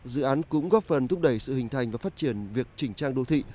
dự án cũng góp phần thúc đẩy sự hình thành và phát triển việc chỉnh trang đô thị